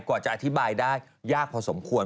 กว่าจะอธิบายได้ยากพอสมควร